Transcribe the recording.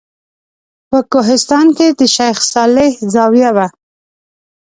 په کوهستان کې د شیخ صالح زاویه وه.